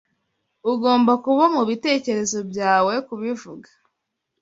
Ugomba kuba mubitekerezo byawe kubivuga.